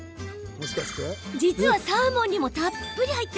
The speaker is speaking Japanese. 実は、サーモンにもたっぷり！